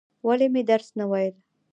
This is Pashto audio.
ولې مې درس نه وایل؟